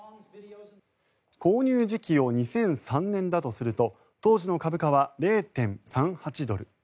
購入時期を２００３年だとすると当時の株価は０．３８ドル。